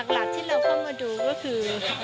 หลักที่เราต้องมาดูก็คือ